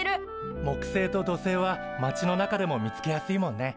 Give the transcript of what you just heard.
木星と土星は町の中でも見つけやすいもんね。